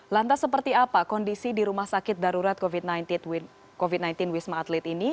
lantas seperti apa kondisi di rumah sakit darurat covid sembilan belas wisma atlet ini